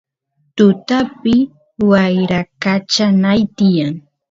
tutapi wyrakachanay tiyan